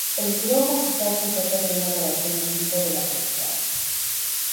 El vídeo musical se trata de una grabación en vivo de la canción.